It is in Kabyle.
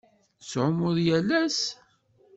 Tettɛummuḍ yal ass?